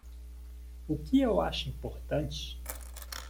O que eu acho importante?